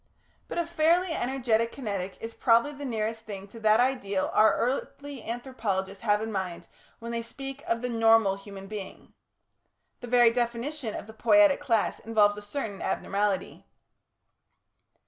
But a fairly energetic Kinetic is probably the nearest thing to that ideal our earthly anthropologists have in mind when they speak of the "Normal" human being. The very definition of the Poietic class involves a certain abnormality.